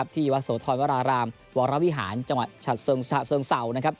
ที่วัดโสธรวรารามวรวิหารจังหวัดชาติเซิงเซา